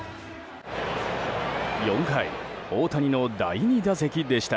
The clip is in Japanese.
４回、大谷の第２打席でした。